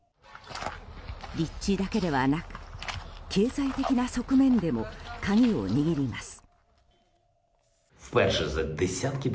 立地だけではなく経済的な側面でも鍵を握ります。